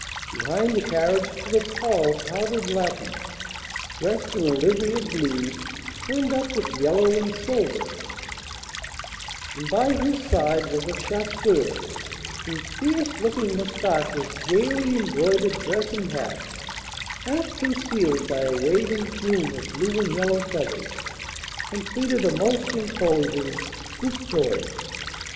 Behind the carriage stood a tall powdered lacquey, dressed in a livery of blue turned up with yellow and silver; and by his side was a chasseur, whose fierce looking moustaches, gaily embroidered dress and hat, half concealed by a waving plume of blue and yellow feathers, completed a most imposing coup d'oeil.